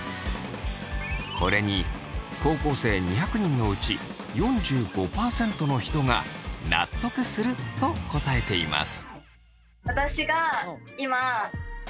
これに高校生２００人のうち４５％の人が納得すると答えています。